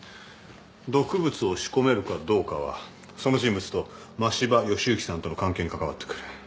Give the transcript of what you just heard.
毒物を仕込めるかどうかはその人物と真柴義之さんとの関係に関わってくる。